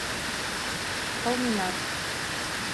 Кылменат